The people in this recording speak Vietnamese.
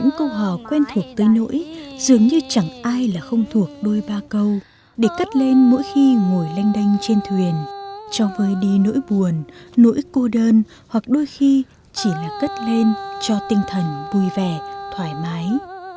những câu hò quen thuộc tới nỗi dường như chẳng ai là không thuộc đôi ba câu để cất lên mỗi khi ngồi lanh đanh trên thuyền cho vơi đi nỗi buồn nỗi cô đơn hoặc đôi khi chỉ là cất lên cho tinh thần vui vẻ thoải mái